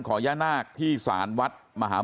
สวัสดีครับคุณผู้ชาย